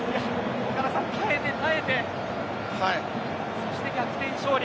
岡田さん、耐えて、耐えてそして逆転勝利。